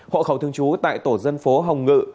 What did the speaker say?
hộ khẩu thường trú tại tổ dân phố hồng ngự